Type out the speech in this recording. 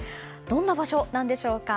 どんな場所なんでしょうか。